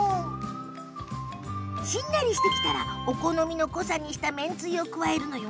しんなりしてきたらお好みの濃さにしためんつゆを加えるのよ。